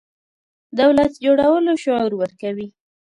دولت جوړولو شعور ورکوي.